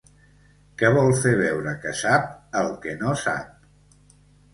Que vol fer veure que sap el que no sap.